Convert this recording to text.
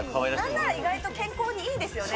なんなら意外と健康にいいですよね。